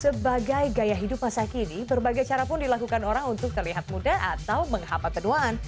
sebagai gaya hidup masa kini berbagai carapun dilakukan orang untuk terlihat muda atau menghapat penuaan